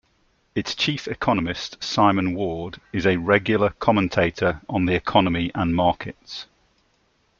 Its Chief Economist, Simon Ward, is a regular commentator on the economy and markets.